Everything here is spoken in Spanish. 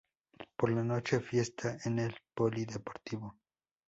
Por la noche fiesta en el polideportivo.